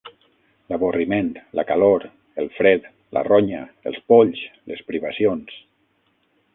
L'avorriment, la calor, el fred, la ronya, els polls, les privacions